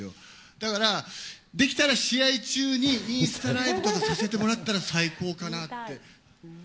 だから、できたら試合中にインスタライブとかさせてもらったら最高かなって。